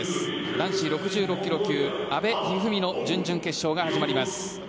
男子６６ｋｇ級阿部一二三の準々決勝が始まります。